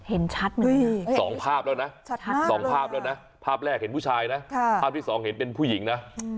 เห็นชัดเหมือนกัน๒ภาพแล้วนะ๒ภาพแล้วนะภาพแรกเห็นผู้ชายนะภาพที่สองเห็นเป็นผู้หญิงนะ